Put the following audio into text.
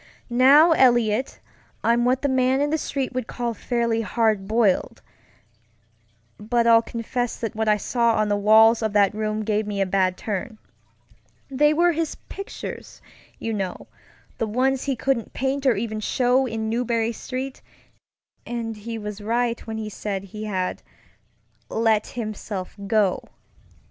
Now, Eliot, I'm what the man in the street would call fairly "hard boiled," but I'll confess that what I saw on the walls of that room gave me a bad turn. They were his pictures, you knowŌĆöthe ones he couldn't paint or even show in Marlborough StreetŌĆöand he was right when he said he had "let himself go."